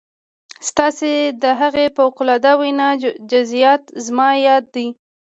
ستاسې د هغې فوق العاده وينا جزئيات زما ياد دي.